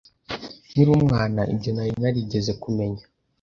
nkiri umwanaIbyo nari narigeze kumenya